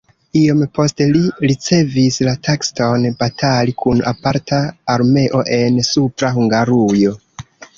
Iom poste li ricevis la taskon batali kun aparta armeo en Supra Hungarujo.